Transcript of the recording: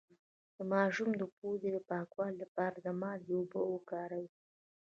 د ماشوم د پوزې د پاکوالي لپاره د مالګې اوبه وکاروئ